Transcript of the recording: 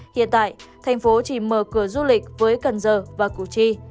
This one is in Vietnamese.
hiện tại tp hcm chỉ mở cửa du lịch với cần giờ và củ chi